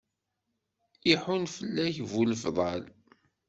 Iḥun fell-ak bu lefḍal.